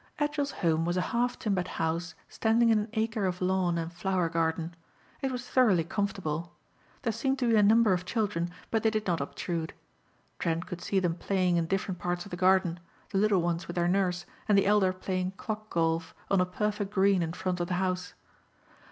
Edgell's home was a half timbered house standing in an acre of lawn and flower garden. It was thoroughly comfortable. There seemed to be a number of children but they did not obtrude. Trent could see them playing in different parts of the garden, the little ones with their nurse and the elder playing clock golf on a perfect green in front of the house.